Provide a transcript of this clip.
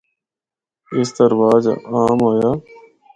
ان دا رواج عام ہویا۔